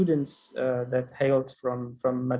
didirikan oleh muallah muhammad